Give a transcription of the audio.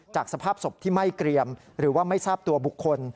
สภาพศพที่ไม่เกรียมหรือว่าไม่ทราบตัวบุคคล